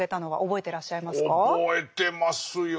覚えてますよ。